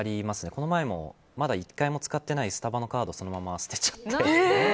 この前もまだ１回も使ってないスタバのカードを捨てちゃって。